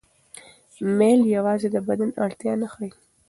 میل یوازې د بدن اړتیا نه ښيي.